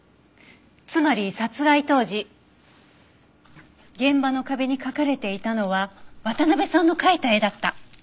つまり殺害当時現場の壁に描かれていたのは渡辺さんの描いた絵だった。